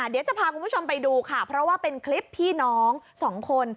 เดี๋ยวจะพาคุณผู้ชมไปดูค่ะเพราะว่าเป็นคลิปพี่น้องสองคน